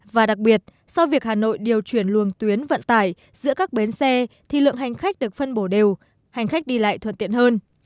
và đặc biệt sau việc hà nội điều chuyển luồng tuyến vận tải giữa các bến xe thì lượng hành khách được phân bổ đều hành khách đi lại thuận tiện hơn